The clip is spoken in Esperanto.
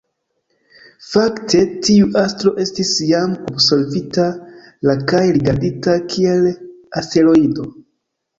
Fakte, tiu astro estis jam observita la kaj rigardita kiel asteroido.